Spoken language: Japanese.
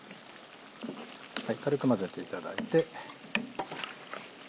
軽く混ぜていただいて。